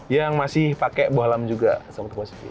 yang masih pakai bohlam juga sahabat kompas tv